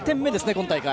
今大会。